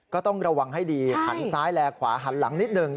ก็ต้องระวังให้ดีหันซ้ายแลขวาหันหลังนิดนึง